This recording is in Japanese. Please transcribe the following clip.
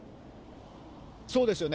そうですよね。